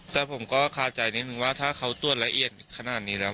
แต่ผมก็คาใจนิดนึงว่าถ้าเขาตรวจละเอียดขนาดนี้แล้ว